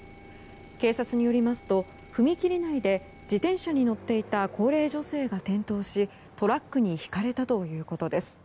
警察によりますと、踏切内で自転車に乗っていた高齢女性が転倒しトラックにひかれたということです。